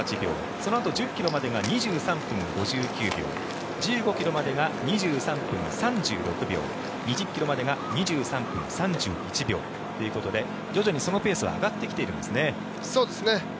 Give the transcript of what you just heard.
そのあと１０ｋｍまでが２３分５９秒１５ｋｍまでが２３分３９秒２０ｋｍまでが２３分３１秒ということで徐々にそのペースは上がってきているんですね。